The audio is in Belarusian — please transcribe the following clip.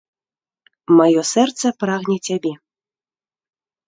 Маё сэрца прагне цябе.